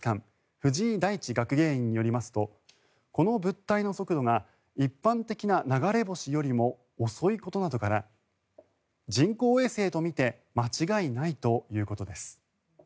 藤井大地学芸員によりますとこの物体の速度が一般的な流れ星よりも遅いことなどから人工衛星と見て間違いないということです。